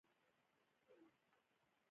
ایا ستاسو دروازه د ټولو پر مخ خلاصه ده؟